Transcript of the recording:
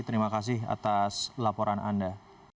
terima kasih pak tadi zuhari